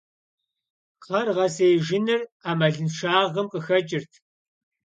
Кхъэр гъэсеижыныр Ӏэмалыншагъэм къыхэкӀырт.